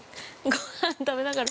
◆ごはん食べながら。